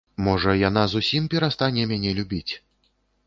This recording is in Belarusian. Можа, яна зусім перастане мяне любіць?